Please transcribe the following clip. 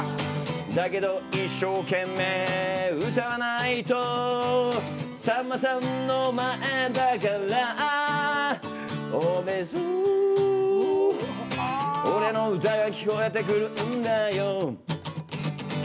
だけど一生懸命歌わないとさんまさんの前だからオーベイビーソー俺の歌が聞こえてくるんだよ